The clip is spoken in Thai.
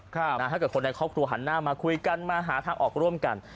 ถ้าเกิดคนในครอบครัวหันหน้ามาคุยกันมาหาทางออกร่วมกัน